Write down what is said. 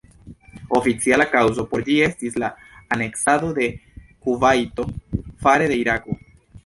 Oficiala kaŭzo por ĝi estis la aneksado de Kuvajto fare de Irako.